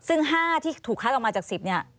ซึ่ง๕ที่ถูกคัดออกมาจาก๑๐เนี่ย